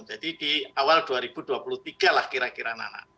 jadi di awal dua ribu dua puluh tiga lah kira kira nana